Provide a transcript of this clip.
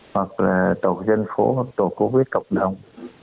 hoặc là tổ dân phố hoặc tổ covid cộng đồng